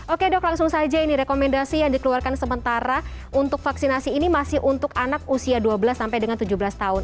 oke dok langsung saja ini rekomendasi yang dikeluarkan sementara untuk vaksinasi ini masih untuk anak usia dua belas sampai dengan tujuh belas tahun